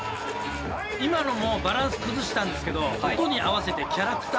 今のもバランス崩したんですけど音に合わせてキャラクターでもってカバーしたんですよ。